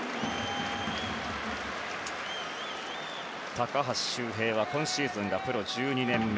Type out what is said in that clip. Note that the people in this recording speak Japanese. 高橋周平は今シーズンがプロ１２年目。